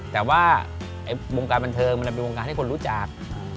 แต่ว่าวงการบันเทิงมันเป็นวงการให้คนรู้จัก